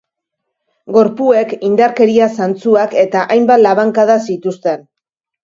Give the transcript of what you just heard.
Gorpuek indarkeria-zantzuak eta hainbat labankada zituzten.